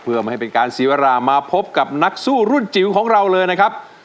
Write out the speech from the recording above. เพื่อไม่ให้เป็นการเสียเวลามาพบกับนักสู้รุ่นจิ๋วของเราเลยนะครับ